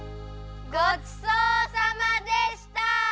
ごちそうさまでした！